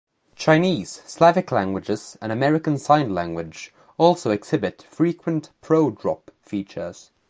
Chinese, Slavic languages, and American Sign Language also exhibit frequent pro-drop features.